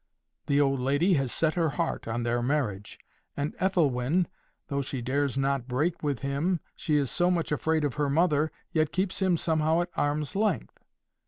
The old lady has set her heart on their marriage, and Ethelwyn, though she dares not break with him, she is so much afraid of her mother, yet keeps him somehow at arm's length.